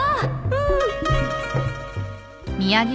うん！